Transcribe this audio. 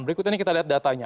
berikut ini kita lihat datanya